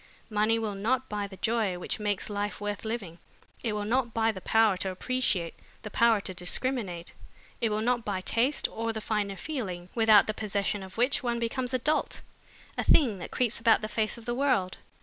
Money will not buy the joy which makes life worth living, it will not buy the power to appreciate, the power to discriminate. It will not buy taste or the finer feelings, without the possession of which one becomes a dolt, a thing that creeps about the face of the world.